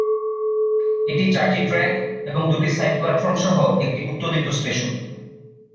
এটি চারটি ট্র্যাক এবং দুটি সাইড প্ল্যাটফর্ম সহ একটি উত্তোলিত স্টেশন।